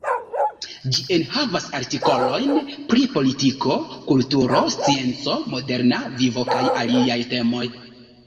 Ĝi enhavas artikolojn pri politiko, kulturo, scienco, moderna vivo kaj aliaj temoj.